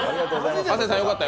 亜生さんよかったよ